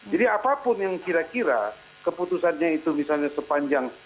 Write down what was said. jadi apapun yang kira kira keputusannya itu misalnya sepanjang